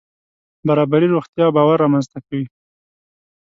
برابري روغتیا او باور رامنځته کوي.